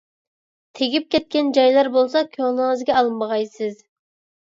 تېگىپ كەتكەن جايلار بولسا كۆڭلىڭىزگە ئالمىغايسىز.